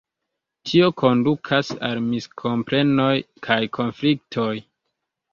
Tio kondukas al miskomprenoj kaj konfliktoj.